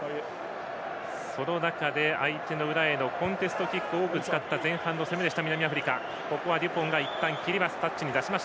その中で、相手の裏へのコンテストキックを多く使った前半の攻めでした南アフリカ。